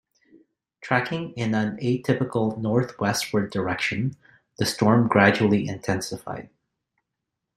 Tracking in an atypical northwestward direction, the storm gradually intensified.